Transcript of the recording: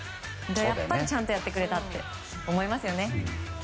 やっぱりちゃんとやってくれたと思いますね。